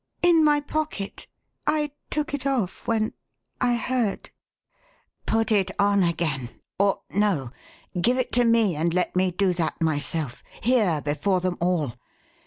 "In my pocket. I took it off when I heard." "Put it on again. Or, no! Give it to me and let me do that myself here, before them all.